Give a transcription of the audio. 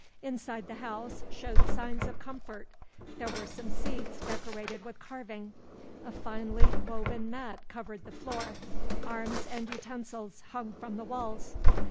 Inside the house showed signs of comfort. There were some seats decorated with carving. A finely woven mat covered the floor. Arms and utensils hung from the walls.